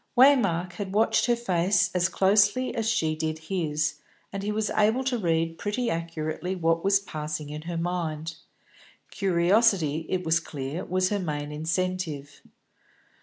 Waymark had watched her face as closely as she did his, and he was able to read pretty accurately what was passing in her mind. Curiosity, it was clear, was her main incentive.